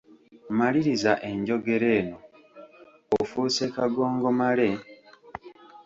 Maliriza enjogera eno: Ofuuse kagongomale, …..